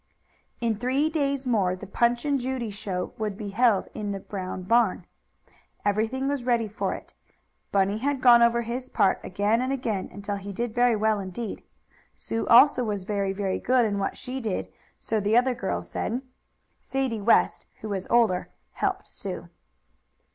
In three days more the Punch and Judy show would be held in the Brown barn. Everything was ready for it, Bunny had gone over his part again and again until he did very well indeed. Sue, also, was very, very good in what she did, so the other girls said. Sadie West, who was older, helped Sue.